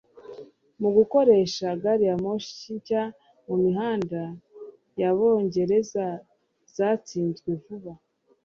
mugukoresha gari ya moshi nshya mumihanda yabongereza zatsinzwe vuba .